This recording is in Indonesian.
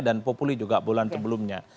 dan populi juga bulan sebelumnya